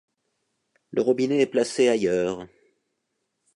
Le robinet est placé ailleurs.